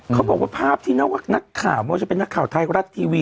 เขาบอกว่าภาพที่นักข่าวไม่ว่าจะเป็นนักข่าวไทยรัฐทีวี